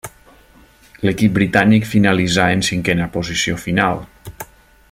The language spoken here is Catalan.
L'equip britànic finalitzà en cinquena posició final.